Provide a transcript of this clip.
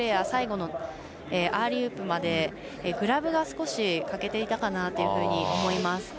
最後のアーリーウープまでグラブが少しかけていたかなというふうに思います。